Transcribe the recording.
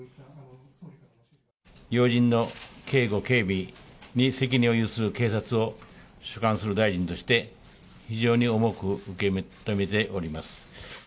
要人の警護・警備に責任を有する警察を主管する大臣として、非常に重く受け止めております。